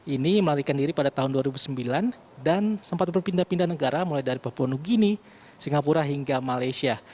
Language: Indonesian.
ini melarikan diri pada tahun dua ribu sembilan dan sempat berpindah pindah negara mulai dari papua new guinea singapura hingga malaysia